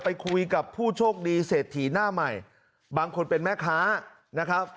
ไปคุยกับผู้โชคดีเศรษฐีหน้าใหม่บางคนเป็นแม่ค้านะครับ